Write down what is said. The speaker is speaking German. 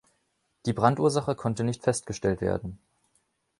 Die Brandursache konnte nicht festgestellt werden.